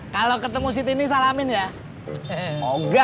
kalau siti berpaling ke saya